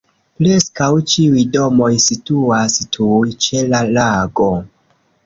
Preskaŭ ĉiuj domoj situas tuj ĉe la lago.